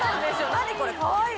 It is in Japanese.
何これかわいい。